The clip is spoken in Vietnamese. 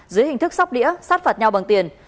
dưới hình thức sóc đĩa sát phạt nhau bằng tiền